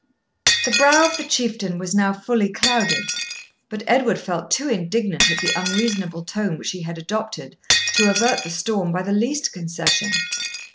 The brow of the Chieftain was now fully clouded; but Edward felt too indignant at the unreasonable tone which he had adopted to avert the storm by the least concession.